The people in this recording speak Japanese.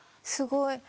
すごい。